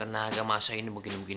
yaelah masa gitu aja sakit sih